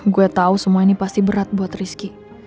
gue tahu semua ini pasti berat buat rizky